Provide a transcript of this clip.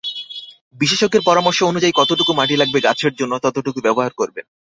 বিশেষজ্ঞের পরামর্শ অনুযায়ী কতটুকু মাটি লাগবে, গাছের জন্য ততটুকু ব্যবহার করবেন।